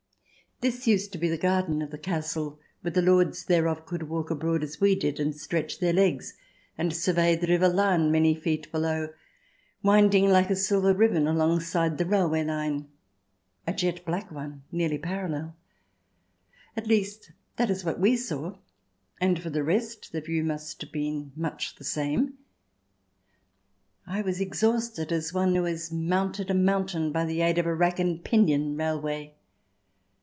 This used to 158 THE DESIRABLE ALIEN [ch. xi be the garden of the castle, where the lords thereof could walk abroad as we did, and stretch their legs, and survey the River Lahn many feet below, wind ing, like a silver ribbon, alongside the railway line, a jet black one nearly parallel. At least, that is what we saw, and for the rest the view must have been much the same. I was exhausted, as one who has mounted a mountain by the aid of a rack and pinion railway.